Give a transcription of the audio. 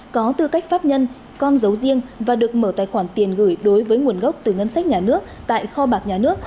có tư cách pháp nhân con dấu riêng và được mở tài khoản tiền gửi đối với nguồn gốc từ ngân sách nhà nước tại kho bạc nhà nước